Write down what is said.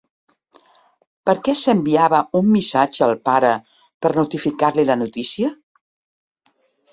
Per què s'enviava un missatge al pare per notificar-li la notícia?